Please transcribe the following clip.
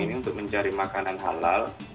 ini untuk mencari makanan halal